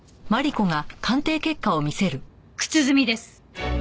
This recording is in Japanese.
靴墨です。